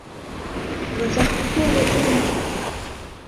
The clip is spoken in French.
On va faire coucou aux voitures d’en dessous.